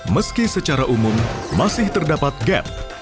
meski secara umum masih terdapat gap